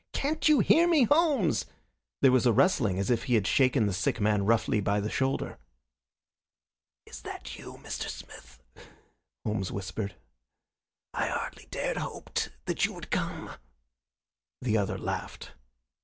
"Can't you hear me, Holmes?" There was a rustling, as if he had shaken the sick man roughly by the shoulder. "Is that you, Mr. Smith?" Holmes whispered. "I hardly dared hope that you would come." The other laughed.